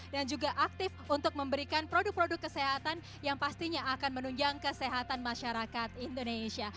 dan juga aktif untuk memberikan produk produk kesehatan yang pastinya akan menunjang kesehatan masyarakat indonesia